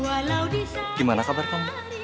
alhamdulillah baik kamu